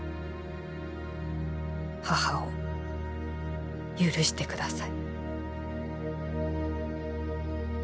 母を許してください」。